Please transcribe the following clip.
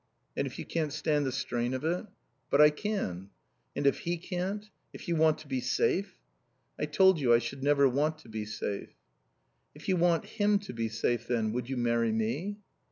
"And if you can't stand the strain of it?" "But I can." "And if he can't? If you want to be safe " "I told you I should never want to be safe." "If you want him to be safe, then, would you marry me?"